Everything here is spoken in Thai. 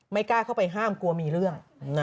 กล้าเข้าไปห้ามกลัวมีเรื่อง